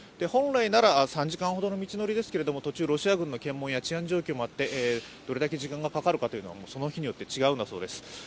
本来なら３時間ほどの道のりですが途中、ロシア軍の検問や治安などもあってどれだけ時間がかかるかというのはその日によって違うんだそうです。